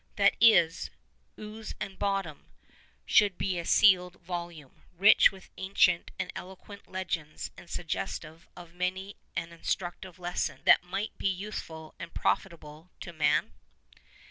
that its "ooze and bottom" should be a sealed volume, rich with ancient and eloquent legends and suggestive of many an instructive lesson that might be useful and profitable to man?